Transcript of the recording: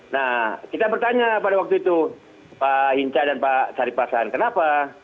nah kita bertanya pada waktu itu pak hinca dan pak sarip hasan kenapa